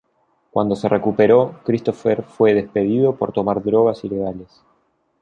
Cuando se recuperó, Christopher fue despedido por tomar drogas ilegales.